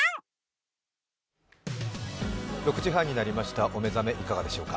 ６時半になりました、お目覚めいかがでしょうか。